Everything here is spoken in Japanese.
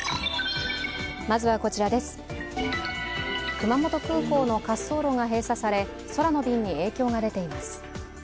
熊本空港の滑走路が閉鎖され空の便に影響が出ています。